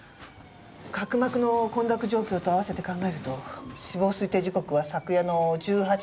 角膜の混濁状況と併せて考えると死亡推定時刻は昨夜の１８時から２０時の間ね。